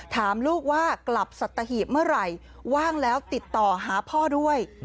ถามลูกว่ากลับสัตหีบเมื่อไหร่ว่างแล้วติดต่อหาพ่อด้วย